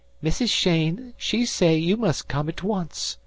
"Mrs. Cheyne she say you must come at once.